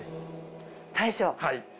大将。